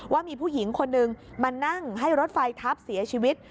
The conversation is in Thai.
ว่ามีผู้หญิงคนนึงมานั่งให้รถไฟทับเสียชีวิต